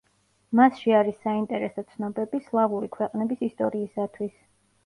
მასში არის საინტერესო ცნობები სლავური ქვეყნების ისტორიისათვის.